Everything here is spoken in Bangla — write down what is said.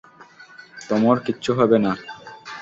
তোমর কিচ্ছু হবে না।